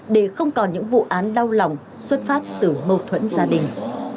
để không còn những vụ án đau lòng xuất phát từ mâu thuẫn gia đình